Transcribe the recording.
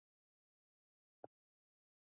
段业汉人。